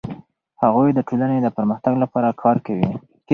هغوی د ټولنې د پرمختګ لپاره کار کوي.